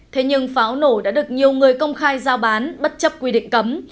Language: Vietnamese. thế nhưng pháo nổ đã được nhiều người công khai giao bán bất chấp quy định cấm